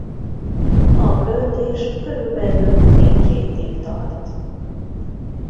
A költés körülbelül négy hétig tart.